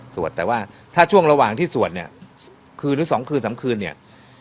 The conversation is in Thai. สวดแต่ว่าถ้าช่วงระหว่างที่สวดเนี่ยคืนหรือ๒คืน๓คืนเนี่ย